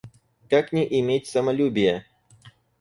Как не иметь самолюбия?